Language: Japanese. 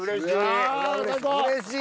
うれしい。